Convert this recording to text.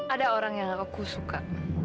ada orang yang aku suka